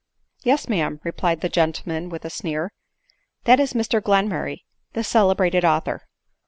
" Yes, ma'am," replied the gentleman with a sneer ;" that is Mr Glenmurray, the celebrated author."